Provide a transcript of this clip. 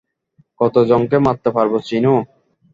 কতজনকে মারতে পারবো, চিনো?